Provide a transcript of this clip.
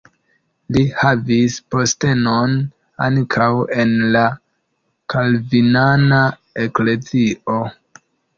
Li havis postenon ankaŭ en la kalvinana eklezio.